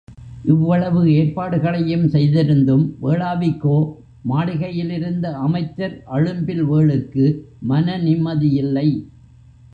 இவ்வளவு ஏற்பாடுகளையும் செய்திருந்தும், வேளாவிக்கோ மாளிகையிலிருந்த அமைச்சர் அழும்பில்வேளுக்கு மன நிம்மதியில்லை.